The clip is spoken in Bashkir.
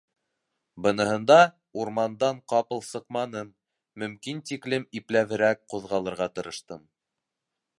Быныһында урмандан ҡапыл сыҡманым, мөмкин тиклем ипләберәк ҡуҙғалырға тырыштым.